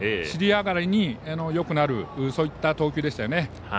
尻上がりによくなるそういった投球でした。